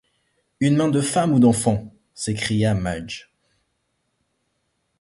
Une main de femme ou d’enfant! s’écria Madge.